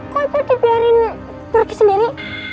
kok aku dibiarin pergi sendiri